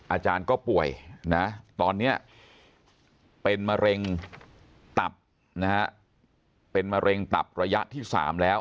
อาจารย์ก็ป่วยนะตอนนี้เป็นมะเร็งตับนะฮะเป็นมะเร็งตับระยะที่๓แล้ว